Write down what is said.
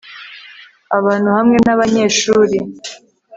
Abantu hamwe nabanyeshuri